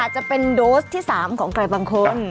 จะเป็นโดสที่๓ของใครบางคน